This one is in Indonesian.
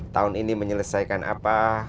tahun ini menyelesaikan apa